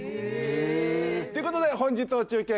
え！ということで本日の中継